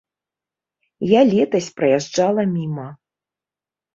Я летась праязджала міма.